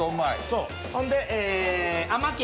そう。